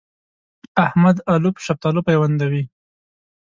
احمد الو په شفتالو پيوندوي.